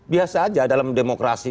biasa saja dalam demokrasi